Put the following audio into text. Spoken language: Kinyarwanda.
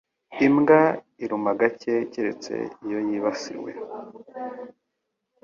Imbwa iruma gake keretse iyo yibasiwe.